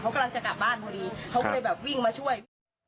เขาไปแบบวิ่งมาช่วย